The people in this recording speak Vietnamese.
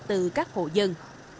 từ các hộ dân